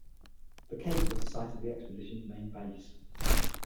The cape was the site of the expedition's main base.